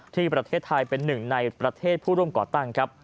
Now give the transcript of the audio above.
ที่ประเทศไทยเป็นหนึ่งในประเทศผู้ร่วมก่อตั้งครับ